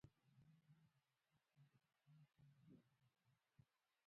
ازادي راډیو د امنیت په اړه د راتلونکي هیلې څرګندې کړې.